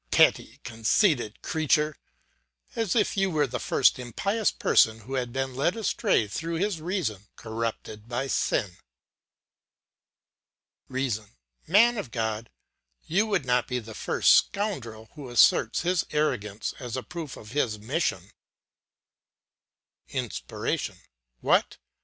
Petty, conceited creature! As if you were the first impious person who had been led astray through his reason corrupted by sin. "REASON: Man of God, you would not be the first scoundrel who asserts his arrogance as a proof of his mission. "INSPIRATION: What!